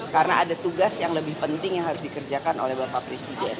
karena ada tugas yang lebih penting yang harus dikerjakan oleh bapak presiden